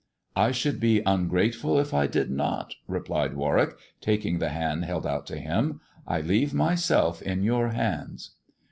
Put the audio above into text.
" I should be ungrateful if I did not," replied Warwick, taking the hand held out to him ;" I leave myself in your hands."